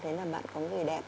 thế là bạn có người đẹp